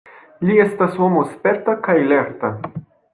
Li estas homo sperta kaj lerta.